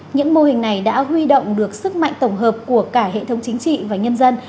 những mô hình này đã huy động được sức mạnh tổng hợp của cả hệ thống chính trị và nhân dân